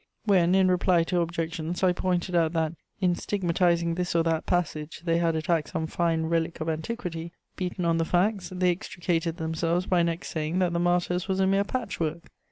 When, in reply to objections, I pointed out that, in stigmatizing this or that passage, they had attacked some fine relic of antiquity, beaten on the facts, they extricated themselves by next saying that the Martyrs was a mere "patchwork."